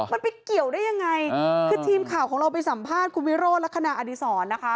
มันไปเกี่ยวได้ยังไงคือทีมข่าวของเราไปสัมภาษณ์คุณวิโรธลักษณะอดีศรนะคะ